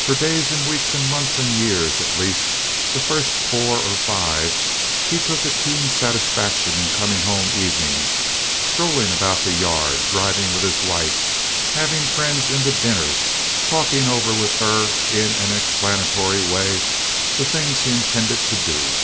For days and weeks and months and years, at least the first four or five, he took a keen satisfaction in coming home evenings, strolling about the yard, driving with his wife, having friends in to dinner, talking over with her in an explanatory way the things he intended to do.